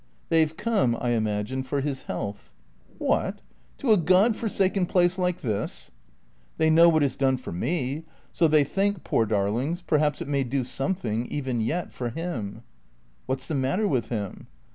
"They've come, I imagine, for his health." "What? To a god forsaken place like this?" "They know what it's done for me. So they think, poor darlings, perhaps it may do something even yet for him." "What's the matter with him?"